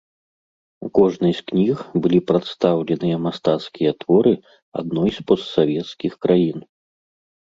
У кожнай з кніг былі прадстаўленыя мастацкія творы адной з постсавецкіх краін.